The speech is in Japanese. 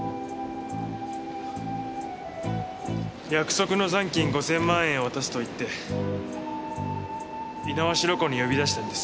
約束の残金５０００万円を渡すと言って猪苗代湖に呼び出したんです。